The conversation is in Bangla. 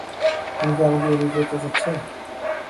তুমি কি আমাকে এড়িয়ে যেতে চাচ্ছো?